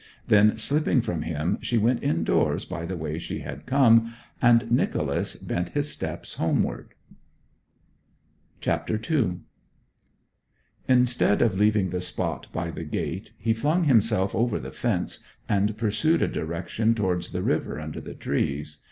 Then, slipping from him, she went indoors by the way she had come, and Nicholas bent his steps homewards. CHAPTER II Instead of leaving the spot by the gate, he flung himself over the fence, and pursued a direction towards the river under the trees.